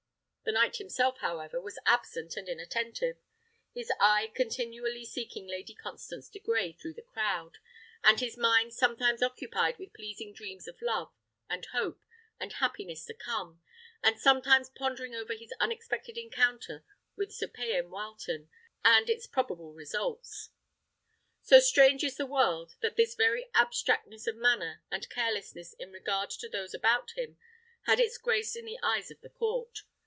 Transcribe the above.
The knight himself, however, was absent and inattentive, his eye continually seeking Lady Constance de Grey through the crowd, and his mind sometimes occupied with pleasing dreams of love, and hope, and happiness to come, and sometimes pondering over his unexpected encounter with Sir Payan Wileton, and its probable results. So strange is the world, that this very abstractness of manner and carelessness in regard to those about him had its grace in the eyes of the court.